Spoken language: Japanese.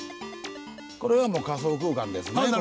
これはもう仮想空間ですね。